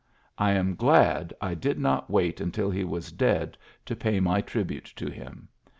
I am glad I did not wait until he was dead to pay my tribute to him.